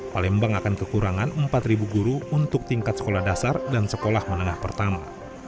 palembang akan kekurangan empat guru untuk tingkat sekolah dasar dan sekolah menengah pertama